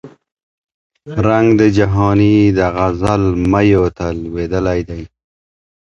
رنګ د جهاني د غزل میو ته لوېدلی دی